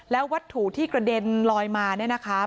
แล้ววัตถุที่กระเด็นลอยมาเนี่ยนะคะ